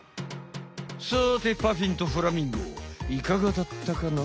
さてパフィンとフラミンゴいかがだったかな？